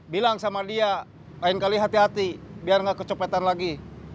bilang sama dia lain kali hati hati biar nggak kecopetan lagi